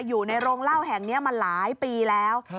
อยู่ในโรงเล่าแห่งนี้มาหลายปีแล้ว